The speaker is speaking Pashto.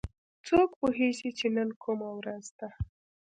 څوک پوهیږي چې نن کومه ورځ ده